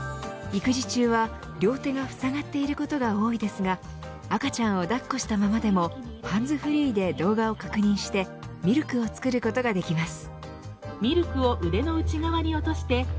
育児中は両手がふさがっていることが多いですが赤ちゃんをだっこしたままでもハンズフリーで動画を確認してミルクを作ることができます。